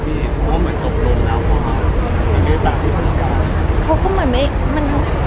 พี่เพราะว่ามันตกลงแล้วหรอคะอีกนึงต่างที่ธนการณ์เขาก็เหมือนไหมมัน